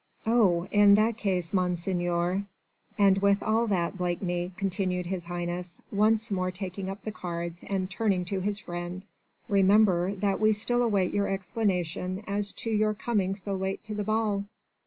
"Oh! in that case, Monseigneur...." "And with all that, Blakeney," continued His Highness, once more taking up the cards and turning to his friend, "remember that we still await your explanation as to your coming so late to the ball."